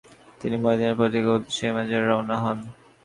তিনি মদিনার প্রতিরক্ষার উদ্দেশ্যে হেজাজে রওয়ানা হন।